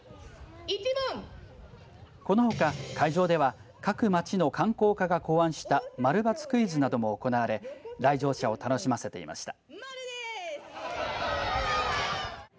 このほか会場では各町の観光課が考案した○×クイズなども行われ来場者を楽しませていました。